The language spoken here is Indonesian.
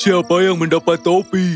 siapa yang mendapat topi